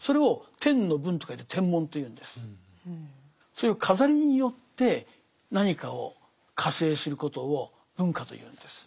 そういう飾りによって何かを化成することを文化というんです。